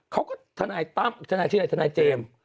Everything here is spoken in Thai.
เขาก็ทนายตั้มทนายเจมส์